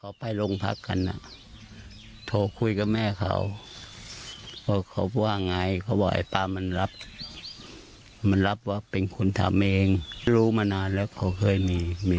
เขาไปร่วงพักกันน่ะโทคุยกับแม่เขาเพราะเขาบอกว่าไงเขาบอกอย่าป้ามันอยู่รับว่าเป็นคนทำเองรู้มานานเขาเคยมีมี